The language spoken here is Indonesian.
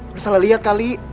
masalah liat kali